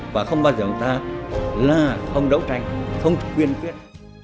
và không bao giờ chúng ta là không đấu tranh không quyền quyết